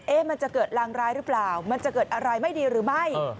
มันจะเกิดรางร้ายหรือเปล่ามันจะเกิดอะไรไม่ดีหรือไม่